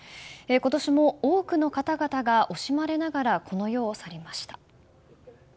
今年も多くの方々が惜しまれながらこの世を去りました。